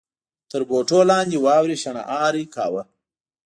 تر بوټو لاندې واورې شڼهار کاوه.